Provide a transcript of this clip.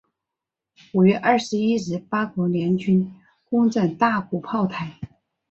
五月二十一日八国联军攻战大沽炮台。